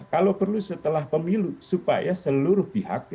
kalau perlu setelah pemilu supaya seluruh pihak